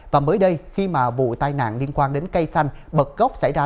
và mới đây khi mà vụ tai nạn liên quan đến cây xanh bật gốc xảy ra